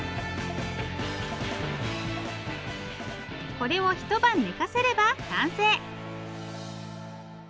これを一晩ねかせれば完成！